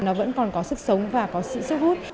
nó vẫn còn có sức sống và có sự sức hút